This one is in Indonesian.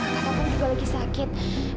kak taufan juga lagi sakit